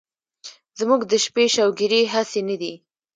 زمونږ د شپې شوګيرې هسې نه دي